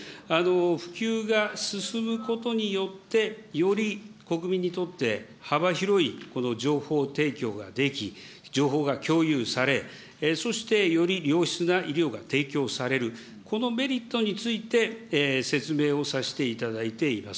普及が進むことによって、より国民にとって幅広い情報提供ができ、情報が共有され、そしてより良質な医療が提供される、このメリットについて、説明をさせていただいています。